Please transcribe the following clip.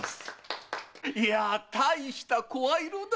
いや大した声色だ。